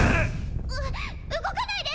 うっ動かないで！